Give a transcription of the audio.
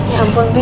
ya ampun bi